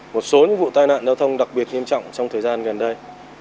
một số vụ tai nạn giao thông đặc biệt nghiêm trọng trong thời gian gần đây